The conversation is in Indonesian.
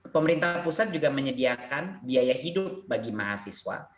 pemerintah pusat juga menyediakan biaya hidup bagi mahasiswa